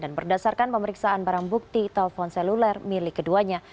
dan berdasarkan pemeriksaan barang bukti telfon seluler milik keduanya